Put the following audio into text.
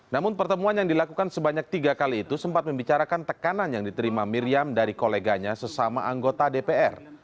namun pertemuan yang dilakukan sebanyak tiga kali itu sempat membicarakan tekanan yang diterima miriam dari koleganya sesama anggota dpr